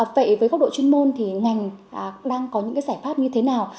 vậy với góc độ chuyên môn thì ngành đang có những cái giải pháp như thế nào